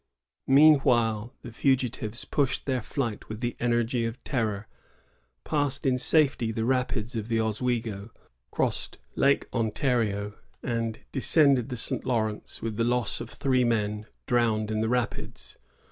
Meanwhile the fugitives pushed their flight with d4 THE JESUITS AT ONONDAGA. [1058. the energy of terror, passed in safety the rapids of the Oswego, crossed Lake Ontario, and descended the St. Lawrence with the loss of three men drowned in the rapids.